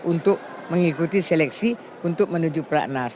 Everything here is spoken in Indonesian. untuk mengikuti seleksi untuk menuju pelak nas